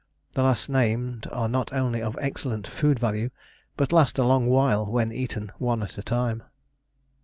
The last named are not only of excellent food value, but last a long while when eaten one at a time.